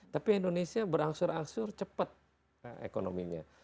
tapi indonesia berangsur angsur cepat ekonominya